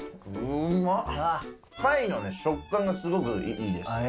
うまっ貝の食感がすごくいいです。